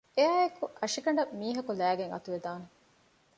އެއާއިއެކު އަށިގަނޑަކަށް މީހަކު ލައިގެން އަތުވެދާނެ